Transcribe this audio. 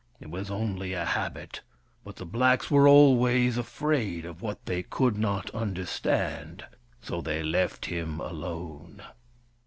It was only a habit, but the blacks were always afraid of what they could not understand. So they left him alone.